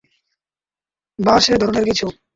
বা সে ধরনের কিছু।